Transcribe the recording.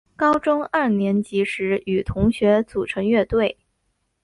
高中二年级时与同学组成乐队。